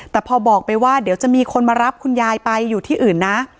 แต่พอบอกไปว่าเดี๋ยวจะมีคนมารับคุณยายไปอยู่ที่อื่นนะ